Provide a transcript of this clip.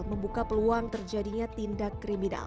membuka peluang terjadinya tindak kriminal